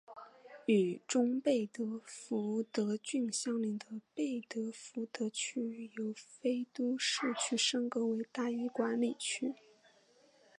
与中贝德福德郡相邻的贝德福德区由非都市区升格为单一管理区。